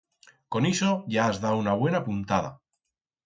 Con ixo ya has dau una buena puntada.